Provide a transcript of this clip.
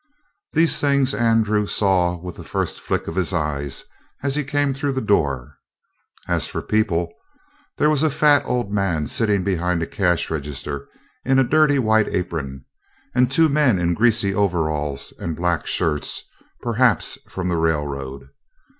These things Andrew saw with the first flick of his eyes as he came through the door; as for people, there was a fat old man sitting behind the cash register in a dirty white apron and two men in greasy overalls and black shirts, perhaps from the railroad.